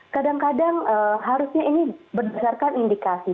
kadang kadang harusnya ini berdasarkan indikasi